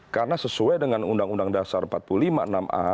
karena sesuai dengan undang undang dasar empat puluh lima enam a